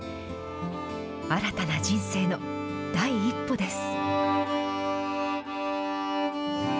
新たな人生の第一歩です。